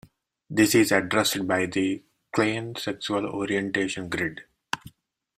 This is addressed by the Klein Sexual Orientation Grid.